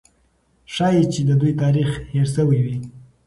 ښایي چې د دوی تاریخ هېر سوی وي.